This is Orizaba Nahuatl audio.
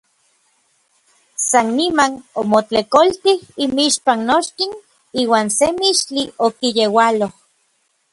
San niman omotlejkoltij inmixpan nochtin iuan se mixtli okiyeualoj.